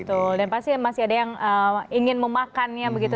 betul dan pasti masih ada yang ingin memakannya begitu